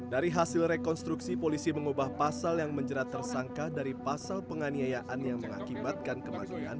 dari hasil rekonstruksi polisi mengubah pasal yang menjerat tersangka dari pasal penganiayaan yang mengakibatkan kematian